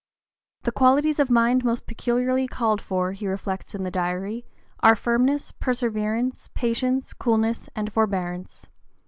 "The qualities of mind most peculiarly called for," he reflects in the Diary, "are firmness, perseverance, patience, coolness, and forbearance.